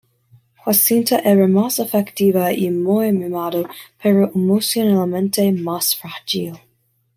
Jacinta era más afectiva y muy mimada, pero emocionalmente más frágil.